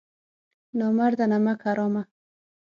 نامرده نمک حرامه!